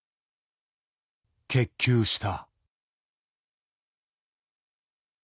結球した。